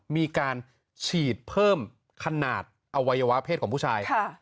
มีการฉีดเพิ่มขนาดอวัยวะเพศของผู้ชาย